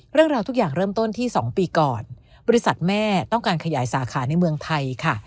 เรื่องราวทุกอย่างเริ่มต้นที่๒ปีก่อนบริษัทแม่ต้องการขยายสาขาในเมืองไทยค่ะ